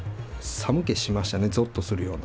寒気しましたね、ぞっとするような。